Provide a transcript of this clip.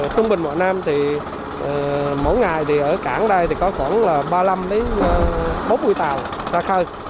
trung bình mỗi năm thì mỗi ngày thì ở cảng đây thì có khoảng ba mươi năm bốn mươi tàu ra khơi